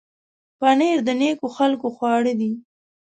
پنېر د نېکو خلکو خواړه دي.